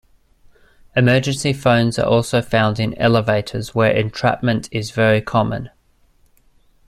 Emergency phones are also found in elevators where entrapment is very common.